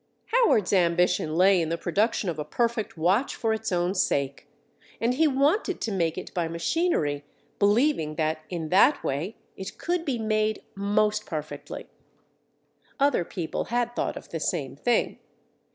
Howard's ambition lay in the production of a perfect watch for its own sake; and he wanted to make it by machinery, believing that, in that way, it could be made most perfectly. Other people had thought of the same thing.